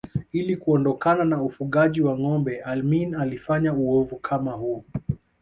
Ili kuondokana na ufugaji wa ngombe Amin alifanya uovu kama huo